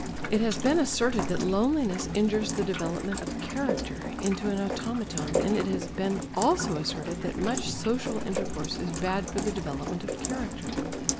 It has been asserted that loneliness injures the development of character (into an automaton), and if has been also asserted that much social intercourse is bad for the development of character.